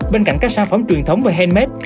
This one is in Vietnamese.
bên cạnh các sản phẩm truyền thống và handmade